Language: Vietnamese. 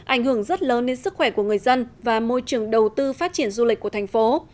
ảnh hưởng rất lớn đến sức khỏe của người dân và môi trường đầu tư phát triển du lịch của thành phố